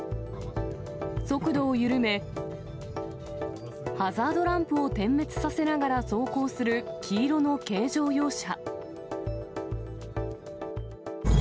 速度を緩め、ハザードランプを点滅させながら走行する黄色の軽乗用車。